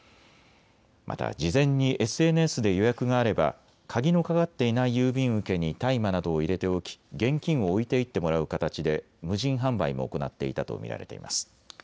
また事前にＳＮＳで予約があれば鍵のかかっていない郵便受けに大麻などを入れておき現金を置いていってもらう形で無人販売も行っていたと見られています。